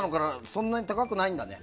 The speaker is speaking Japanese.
そんなに高くないんだね。